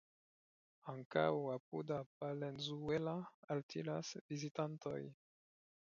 Ankaŭ apuda Palenzuela altiras vizitantojn.